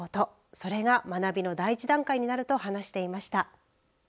それが学びの第１段階になると話していました。